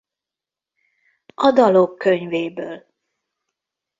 A dalok könyvéből.